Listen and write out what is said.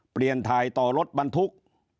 เปลี่ยนถ่ายต่อรถบรรทุก